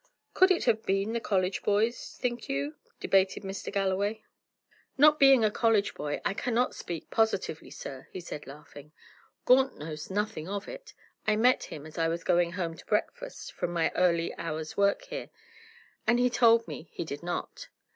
"Could it have been the college boys, think you?" debated Mr. Galloway. "Not being a college boy, I cannot speak positively, sir," he said, laughing. "Gaunt knows nothing of it. I met him as I was going home to breakfast from my early hour's work here, and he told me he did not.